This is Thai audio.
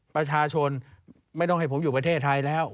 ประชาชนไม่ต้องให้ผมอยู่ประเทศไทยแล้ว